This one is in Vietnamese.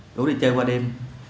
ngủ đi chơi qua đêm